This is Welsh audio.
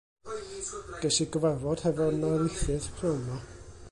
Ges i gyfarfod hefo'n narlithydd p'nawn 'ma.